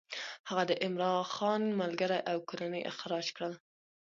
هغه د عمرا خان ملګري او کورنۍ اخراج کړل.